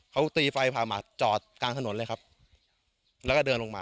เขาตีไฟพามาจอดกลางถนนเลยครับแล้วก็เดินลงมา